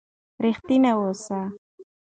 رښتیني اوسئ.